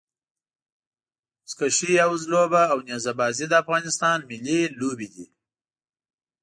بزکشي يا وزلوبه او نيزه بازي د افغانستان ملي لوبي دي.